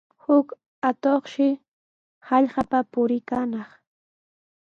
Huk atuqshi hallqapa puriykaanaq.